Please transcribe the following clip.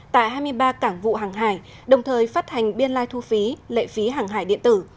tại hai mươi ba cảng vụ hàng hải đồng thời phát hành biên lai thu phí lệ phí hàng hải điện tử